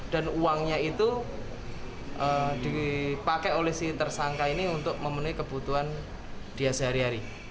dan uangnya itu dipakai oleh si tersangka ini untuk memenuhi kebutuhan dia sehari hari